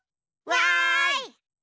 わい！